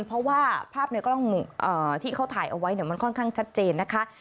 เพราะว่าภาพในกล้องที่เขาถ่ายเอาไว้มันค่อนข้างชัดเจนนะคะ